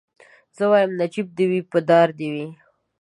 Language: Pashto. زه وايم نجيب دي وي په دار دي وي